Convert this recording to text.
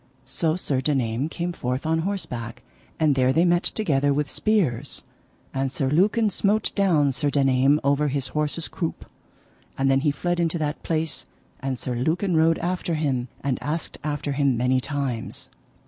So Sir Daname came forth on horseback, and there they met together with spears, and Sir Lucan smote down Sir Daname over his horse's croup, and then he fled into that place, and Sir Lucan rode after him, and asked after him many times.